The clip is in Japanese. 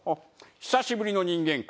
久しぶりの人間界だ。